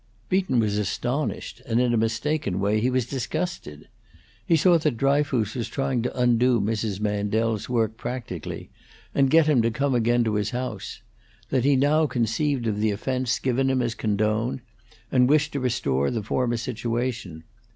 Beaton was astonished, and in a mistaken way he was disgusted. He saw that Dryfoos was trying to undo Mrs. Mandel's work practically, and get him to come again to his house; that he now conceived of the offence given him as condoned, and wished to restore the former situation.